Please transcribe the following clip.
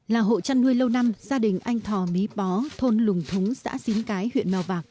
là hộ chăn nuôi lâu năm gia đình anh thò mý bó thôn lùng thúng xã xín cái huyện mèo vạc